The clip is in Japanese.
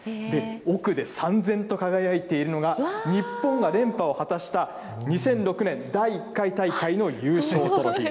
奥で燦然と輝いているのが、日本が連覇を果たした、２００６年第１回大会の優勝トロフィー。